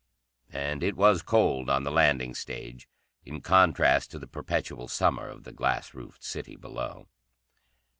And it was cold on the landing stage, in contrast to the perpetual summer of the glass roofed city below.